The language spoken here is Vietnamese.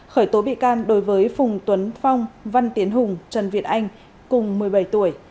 khởi tố bị can đối với phùng tuấn phong văn tiến hùng trần việt anh cùng một mươi bảy tuổi